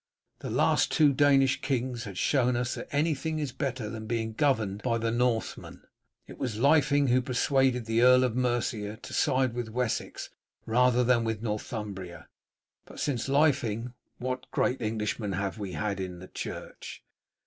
The last two Danish kings had shown us that anything is better than being governed by the Northmen. It was Lyfing who persuaded the Earl of Mercia to side with Wessex rather than with Northumbria, but since Lyfing, what great Englishman have we had in the church?